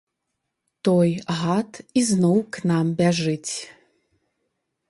Той гад ізноў к нам бяжыць.